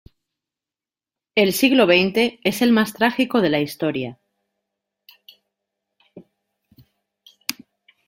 El siglo veinte es el más trágico de la historia.